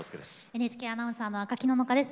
ＮＨＫアナウンサーの赤木野々花です。